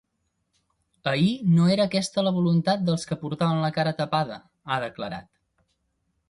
Ahir no era aquesta la voluntat dels que portaven la cara tapada, ha declarat.